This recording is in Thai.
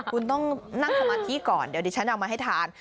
คุณต้องนั่งสมาธิก่อนเดี๋ยวดิฉันเอามาให้ทาน